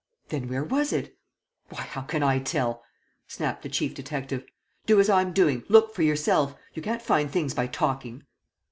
"Then where was it?" "Why, how can I tell?" snapped the chief detective. "Do as I'm doing, look for yourself! You can't find things by talking."